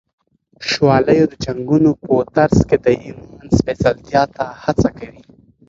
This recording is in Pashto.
شوالیو د جنگونو په ترڅ کي د ایمان سپېڅلتیا ته هڅه کوي.